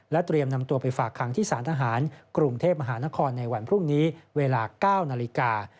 เตรียมนำตัวไปฝากขังที่สารทหารกรุงเทพมหานครในวันพรุ่งนี้เวลา๙นาฬิกา